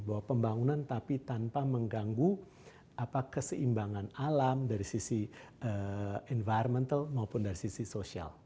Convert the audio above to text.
bahwa pembangunan tapi tanpa mengganggu keseimbangan alam dari sisi environmental maupun dari sisi sosial